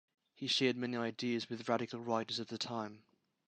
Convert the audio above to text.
He shared many ideas with radical writers of the time.